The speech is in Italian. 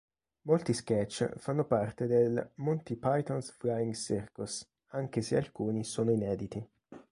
Molti sketch fanno parte del "Monty Python's Flying Circus", anche se alcuni sono inediti.